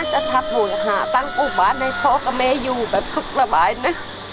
จะทำบุญหาตั้งอุบาลให้พ่อกับแม่อยู่แบบสุขระบายนะ